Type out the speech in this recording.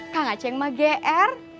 kak ngaceng mah gr